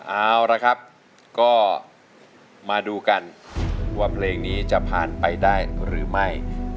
เอาละครับก็มาดูกันว่าเพลงนี้จะผ่านไปได้หรือไม่